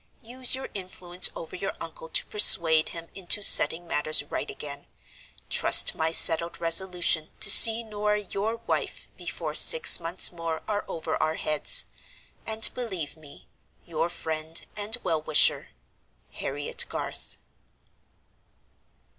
Use your influence over your uncle to persuade him into setting matters right again; trust my settled resolution to see Norah your wife before six months more are over our heads; and believe me, your friend and well wisher, "HARRIET GARTH."